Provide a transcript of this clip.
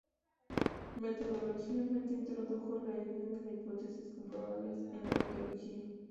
Metodológicamente introdujo la idea de las hipótesis comprobables en la arqueología.